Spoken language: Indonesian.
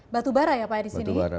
batu bara ya pak ya di sini